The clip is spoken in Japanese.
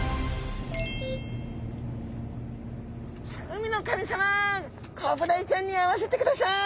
海の神様コブダイちゃんに会わせてください！